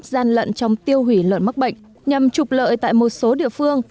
gian lận trong tiêu hủy lợn mắc bệnh nhằm trục lợi tại một số địa phương